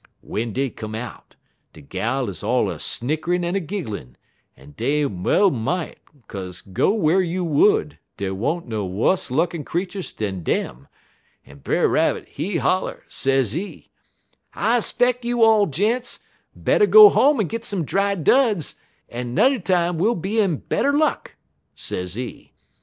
"W'en dey come out, de gals 'uz all a snickerin' en a gigglin', en dey well mought, 'kaze go whar you would, dey wa'n't no wuss lookin' creeturs dan dem; en Brer Rabbit, he holler, sezee: "'I 'speck you all, gents, better go home en git some dry duds, en n'er time we'll be in better luck,' sezee.